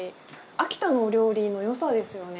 秋田のお料理のよさですよね。